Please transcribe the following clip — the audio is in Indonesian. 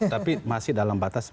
tapi masih dalam batas